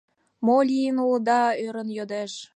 — Мо лийын улыда? — ӧрын йодеш.